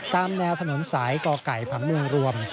ตามแนวถนนสายก่อไก่ผังเมืองรวม